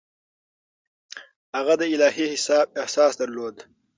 هغه د الهي حساب احساس درلود.